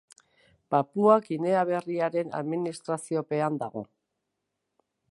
Papua Ginea Berriaren administraziopean dago.